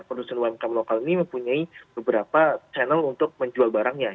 produsen umkm lokal ini mempunyai beberapa channel untuk menjual barang lokal ya